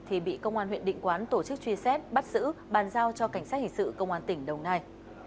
thì bị công an huyện định quán tổ chức truy xét bắt giữ bàn giao cho cảnh sát hình sự công an tỉnh đồng nai